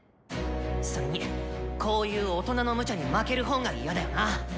それにこういう大人のムチャに負ける方が嫌だよな。